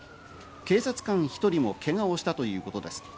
警察官１人もけがをしたということです。